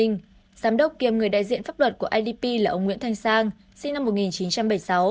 giám đốc kiêm người đại diện pháp luật của idp là ông nguyễn thanh sang sinh năm một nghìn chín trăm bảy mươi sáu